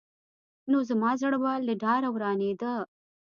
نو زما زړه به له ډاره ورانېده.